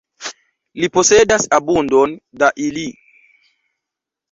Li posedas abundon da ili.